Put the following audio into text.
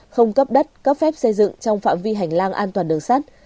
không cấp đất cấp phép xây dựng trong phạm vi hành lang an toàn đường sắt